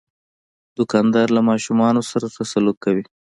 دوکاندار له ماشومان سره ښه سلوک کوي.